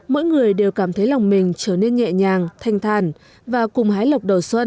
mỗi người đều cảm thấy lòng mình trở nên nhẹ nhàng thanh thàn và cùng hái lộc đầu xuân